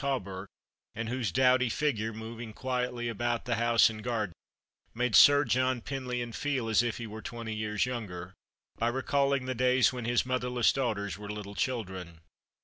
Hawberkj and whose dowdy figure moving quietly about the house and garden made Sir John Penlyon feel as if he were twenty years younger, by recalling the days when his motherless daughters were little children.